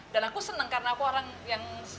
dan aku senang karena aku orang yang